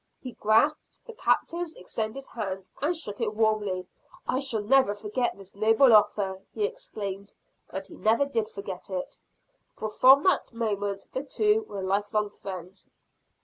He grasped the Captain's extended hand, and shook it warmly. "I shall never forget this noble offer," he exclaimed. And he never did forget it; for from that moment the two were life long friends.